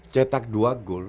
cetak dua goal